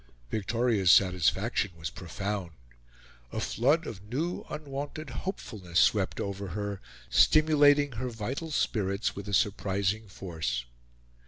Victoria's satisfaction was profound. A flood of new unwonted hopefulness swept over her, stimulating her vital spirits with a surprising force.